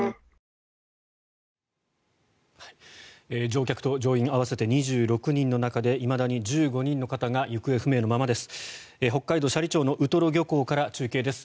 乗客と乗員合わせて２６人の中でいまだに１５人の方が行方不明のままです。